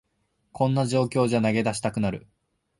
こんな状況じゃ投げ出したくなる